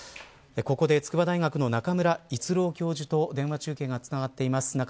ここで筑波大学の中村逸郎教授と電話がつながっています。